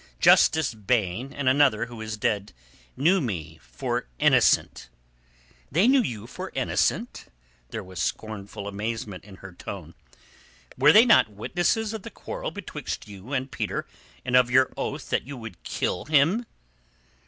Justice Baine and another who is dead, knew me for innocent." "They knew you for innocent?" There was scornful amazement in her tone. "Were they not witnesses of the quarrel betwixt you and Peter and of your oath that you would kill him?"